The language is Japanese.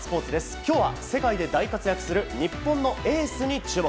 今日は世界で大活躍する日本のエースに注目。